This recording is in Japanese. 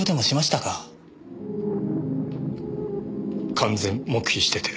完全黙秘してて。